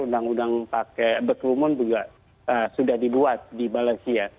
undang undang pakai berkerumun juga sudah dibuat di malaysia